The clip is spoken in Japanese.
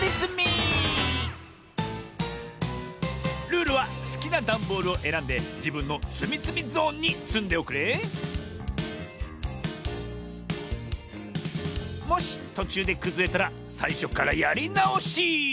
ルールはすきなダンボールをえらんでじぶんのつみつみゾーンにつんでおくれもしとちゅうでくずれたらさいしょからやりなおし。